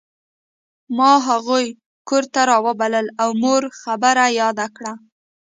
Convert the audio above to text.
ما هغوی کور ته راوبلل او مور خبره یاده کړه